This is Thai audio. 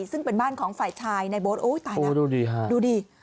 ซึ่งเป็นบ้านของฝ่ายชายในเบิร์ตโอ้ยตายนะโอ้ยดูดีค่ะดูดี